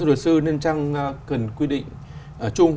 thưa đại sư nên chăng cần quy định chung